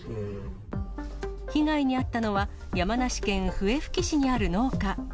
被害に遭ったのは、山梨県笛吹市にある農家。